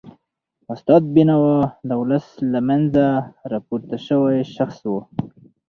استاد بینوا د ولس له منځه راپورته سوی شخصیت و.